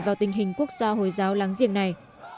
vào tình hình quốc gia hồi giáo láng giềng này